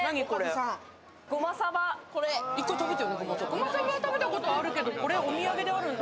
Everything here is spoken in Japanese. ごまさばは食べたことあるけどこれ、お土産であるんだ。